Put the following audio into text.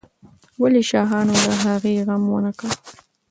ولې شاهانو د هغې غم ونه کړ؟